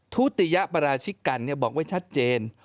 ทุติยปราชิกกันบอกไว้ชัดเจน